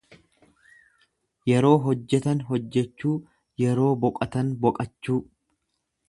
Yeroo hojjetan hojjechuu, yeroo boqatan boqachuu.